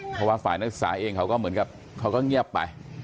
เพราะว่าฝ่ายนักศึกษาเองเขาก็เหมือนกับเขาก็เงียบไป